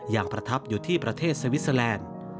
อย่างประทับอยู่ที่ประเทศสวิสเซอแลนด์